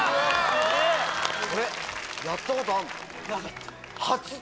やったことあんの？